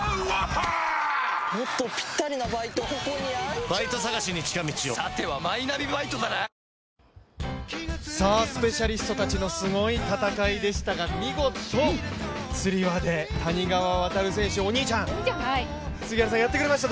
「クラフトボス」スペシャリストたちのすごい戦いでしたが見事、つり輪で谷川航選手お兄ちゃん！やってくれました。